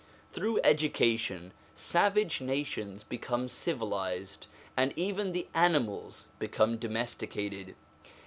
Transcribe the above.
Through education savage nations become civilised, and even the animals become domesticated.